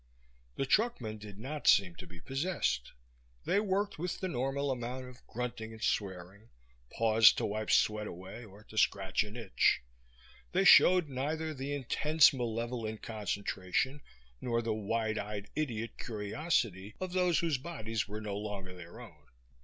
The truckmen did not seem to be possessed; they worked with the normal amount of grunting and swearing, pausing to wipe sweat away or to scratch an itch. They showed neither the intense malevolent concentration nor the wide eyed idiot curiosity of those whose bodies were no longer their own.